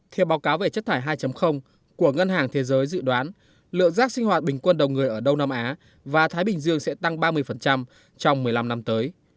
theo báo cáo về chất thải hai của ngân hàng thế giới dự đoán lượng rác sinh hoạt bình quân đầu người ở đông nam á và thái bình dương sẽ tăng ba mươi trong một mươi năm năm tới